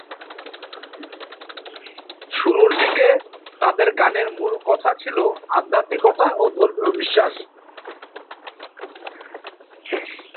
শুরুর দিকে তাদের গানের মূল কথা ছিল আধ্যাত্মিকতা ও ধর্মীয় বিশ্বাস।